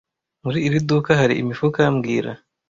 Muri iri duka hari imifuka mbwira